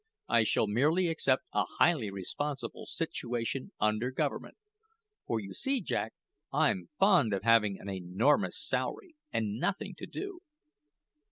I shall merely accept a highly responsible situation under government; for you see, Jack, I'm fond of having an enormous salary and nothing to do."